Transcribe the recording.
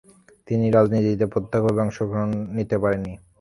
তিনি রাজনীতিতে প্রত্যক্ষভাবে অংশ নিতে পারেন নি।